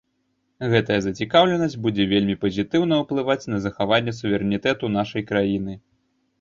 Гэтая зацікаўленасць будзе вельмі пазітыўна ўплываць на захаванне суверэнітэту нашай краіны.